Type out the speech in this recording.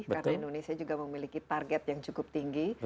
karena indonesia juga memiliki target yang cukup tinggi